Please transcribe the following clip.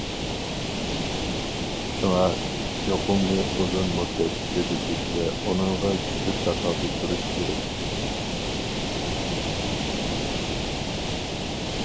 شۇڭا، يۇقۇمنى ئۇزۇن مۇددەت كۆزىتىش ۋە ئۇنىڭغا كۈچلۈك تاقابىل تۇرۇش كېرەك.